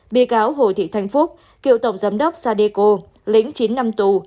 bị cáo hồ thị thanh phúc cựu tổng giám đốc sadeco lĩnh chín năm tù